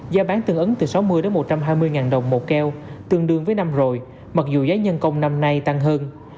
giá bán tương ứng từ sáu mươi một trăm hai mươi ngàn đồng một keo tương đương với năm rồi mặc dù giá nhân công năm nay tăng hơn